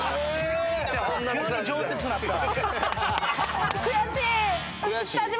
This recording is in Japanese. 急に冗舌になった。